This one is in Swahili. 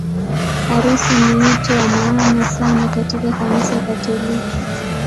Harusi ni wito wa maana sana katika Kanisa Katoliki.